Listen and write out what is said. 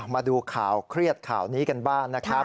มาดูข่าวเครียดข่าวนี้กันบ้างนะครับ